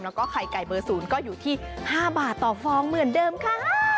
แล้วก็ไข่ไก่เบอร์๐ก็อยู่ที่๕บาทต่อฟองเหมือนเดิมค่ะ